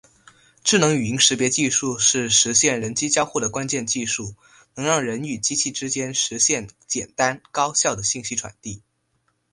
智能语音识别技术是实现人机交互的关键技术，能让人与机器之间实现简单高效的信息传递。